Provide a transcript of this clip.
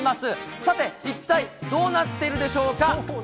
さて、一体どうなっているでしょうか。